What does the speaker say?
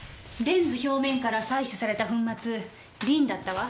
レンズ表面から採取された粉末リンだったわ。